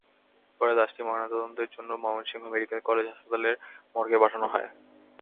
পরে লাশটি ময়নাতদন্তের জন্য ময়মনসিংহ মেডিকেল কলেজ হাসপাতালের মর্গে পাঠানো হয়।